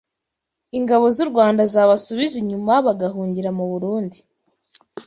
Ingabo z’u Rwanda zabasubiza inyuma bagahungira mu Burundi